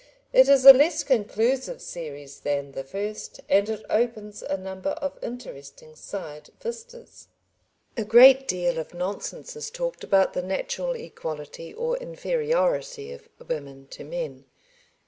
It is a less conclusive series than the first, and it opens a number of interesting side vistas. A great deal of nonsense is talked about the natural equality or inferiority of women to men.